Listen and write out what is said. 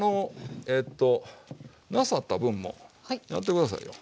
なさった分もやって下さいよ。